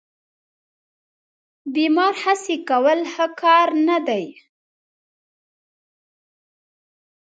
بیمار خسي کول ښه کار نه دی.